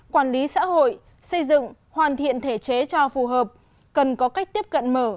quản lý xã hội xây dựng hoàn thiện thể chế cho phù hợp cần có cách tiếp cận mở